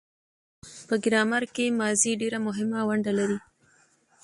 په ګرامر کښي ماضي ډېره مهمه ونډه لري.